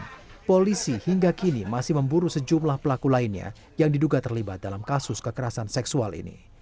karena polisi hingga kini masih memburu sejumlah pelaku lainnya yang diduga terlibat dalam kasus kekerasan seksual ini